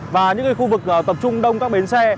và những khu vực tập trung đông các bến xe